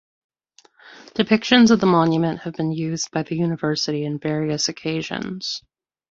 Depictions of the monument have been used by the university in various occasions.